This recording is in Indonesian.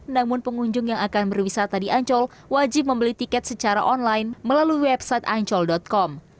namun pengunjung yang akan berwisata di ancol wajib membeli tiket secara online melalui website ancol com